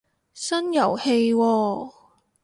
新遊戲喎